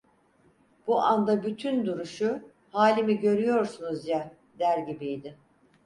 Bu anda bütün duruşu: "Halimi görüyorsunuz ya!" der gibiydi.